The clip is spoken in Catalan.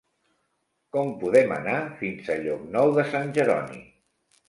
Com podem anar fins a Llocnou de Sant Jeroni?